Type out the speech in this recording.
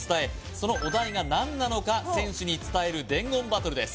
そのお題が何なのか選手に伝える伝言バトルです